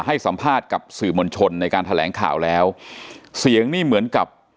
ให้สัมภาษณ์กับสื่อมวลชนในการแถลงข่าวแล้วเสียงนี่เหมือนกับ